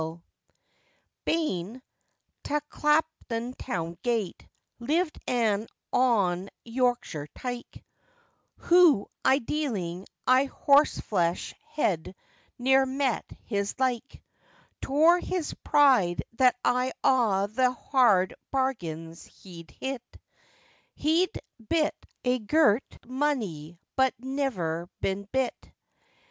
] BANE {209a} ta Claapam town gate {209b} lived an ond Yorkshire tike, Who i' dealing i' horseflesh hed ne'er met his like; 'Twor his pride that i' aw the hard bargains he'd hit, He'd bit a girt monny, but nivver bin bit.